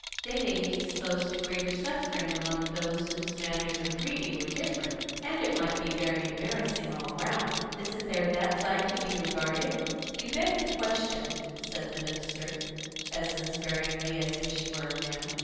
They might be exposed to greater suffering among those whose manners and breeding were different, and it might be very embarrassing all round. Isn't there that side to be regarded?" "You beg the question," said the minister, as unsparingly as if she were a man.